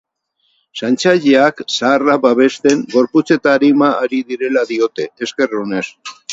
Zaintzaileak zaharrak babesten gorputz eta arima ari direla diote, esker onez.